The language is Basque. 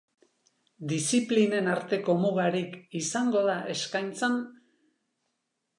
Diziplinen arteko mugarik izango da eskaintzan?